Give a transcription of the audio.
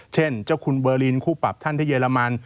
เช่นเจ้าคุณเบอร์ลินคู่ปรับท่านที่เยอรมัน